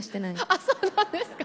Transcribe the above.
あっそうなんですか。